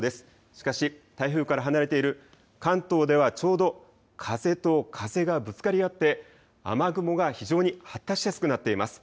しかし台風から離れている関東ではちょうど風と風がぶつかり合って雨雲が非常に発達しやすくなっています。